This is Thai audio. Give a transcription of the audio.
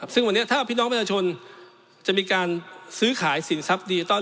ซึ่งวันนี้ถ้าพี่น้องประชาชนจะมีการซื้อขายสินทรัพย์ดิจิทัล